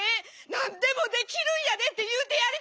何でもできるんやでって言うてやりたい。